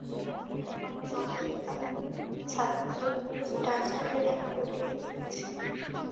সেখানে আমার জনৈকা ছাত্রী মিস ডাচারের এক কুটীর আছে।